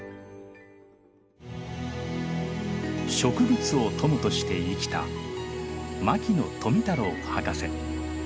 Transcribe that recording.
植物を友として生きた牧野富太郎博士。